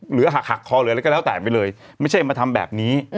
หรือหักคอเลยแล้วก็เล่าแต่งไปเลยไม่ใช่มาทำแบบนี้